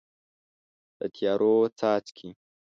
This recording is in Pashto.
د تیارو څاڅکي